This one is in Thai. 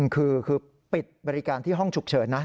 คือปิดบริการที่ห้องฉุกเฉินนะ